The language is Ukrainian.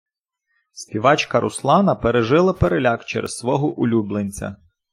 Співачка Руслана пережила переляк через свого улюбленця.